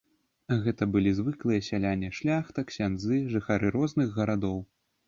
Гэта былі звыклыя сяляне, шляхта, ксяндзы, жыхары розных гарадоў.